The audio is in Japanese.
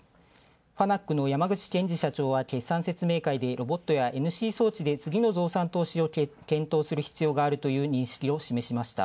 ファナックのやまぐちけんじ社長は決算説明会でロボットやＮＣ装置で次の増産投資を検討する必要があると認識を示しました。